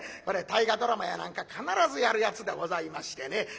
これ「大河ドラマ」や何か必ずやるやつでございましてね。